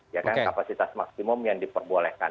ya kan kapasitas maksimum yang diperbolehkan